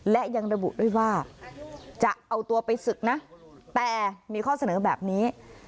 และยังระบุด้วยว่าจะเอาตัวไปศึกนะแต่มีข้อเสนอแบบนี้